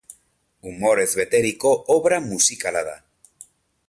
Umorez beteriko obra musikala da.